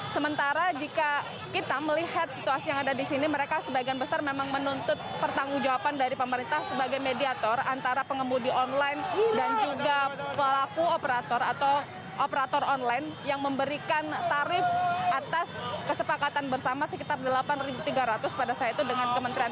sementara jika kita melihat situasi yang ada di sini mereka sebagian besar memang menuntut pertanggung jawaban dari pemerintah sebagai mediator antara pengemudi online dan juga pelaku operator atau operator online yang memberikan tarif atas kesepakatan bersama sekitar delapan tiga ratus pada saat itu dengan kementerian